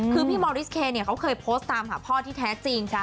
คือพี่มอริสเคเขาเคยโพสต์ตามหาพ่อที่แท้จริง